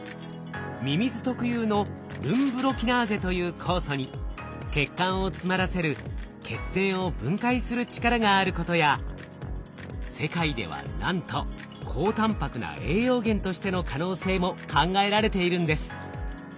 ミミズ特有のルンブロキナーゼという酵素に血管を詰まらせる血栓を分解する力があることや世界ではなんと高たんぱくな栄養源としての可能性も考えられているんです。